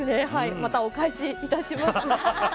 またお返しいたします。